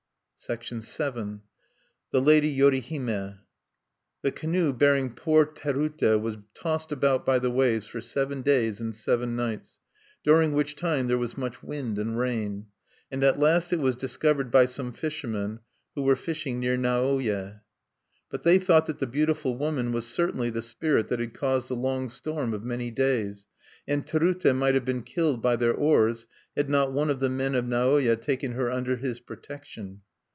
VII. THE LADY YORIHIME The canoe bearing poor Terute was tossed about by the waves for seven days and seven nights, during which time there was much wind and rain. And at last it was discovered by some fishermen who were fishing near Nawoye. But they thought that the beautiful woman was certainly the spirit that had caused the long storm of many days; and Terute might have been killed by their oars, had not one of the men of Nawoye taken her under his protection.